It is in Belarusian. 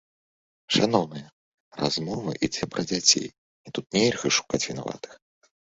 Шаноўныя, размова ідзе пра дзяцей, і тут нельга шукаць вінаватых.